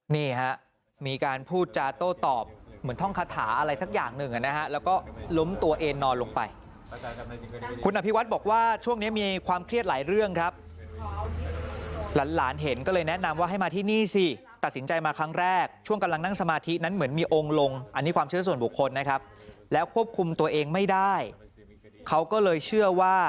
นี่ฮะมีการพูดจาโต้ตอบเหมือนท่องคาถาอะไรสักอย่างหนึ่งนะฮะแล้วก็ล้มตัวเองนอนลงไปคุณอภิวัฒน์บอกว่าช่วงนี้มีความเครียดหลายเรื่องครับหลานเห็นก็เลยแนะนำว่าให้มาที่นี่สิตัดสินใจมาครั้งแรกช่วงกำลังนั่งสมาธินั้นเหมือนมีองค์ลงอันนี้ความเชื่อส่วนบุคคลนะครับแล้วควบคุมตัวเองไม่ได้เขาก็เลยเชื่อว่า